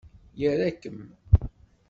Ira-kem!